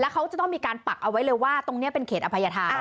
เขาจะต้องมีการปักเอาไว้เลยว่าตรงนี้เป็นเขตอภัยธา